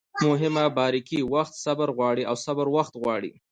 مهمه باریکي: وخت صبر غواړي او صبر وخت غواړي